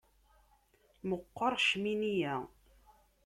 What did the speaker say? Meqqer ccmini-ya.